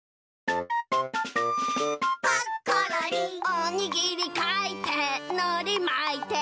「おにぎりかいてのりまいて」